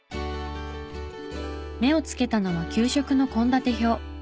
目をつけたのは給食の献立表。